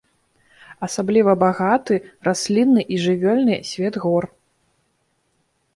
Асабліва багаты раслінны і жывёльны свет гор.